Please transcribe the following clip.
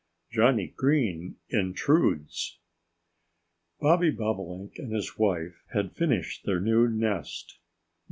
IX JOHNNIE GREEN INTRUDES BOBBY BOBOLINK and his wife had finished their new nest.